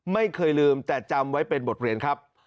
ไม่เคยลืมแต่จำไว้เป็นบทเรียนครับ